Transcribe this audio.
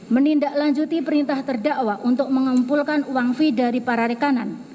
menindaklanjuti perintah terdakwa untuk mengumpulkan uang fee dari para rekanan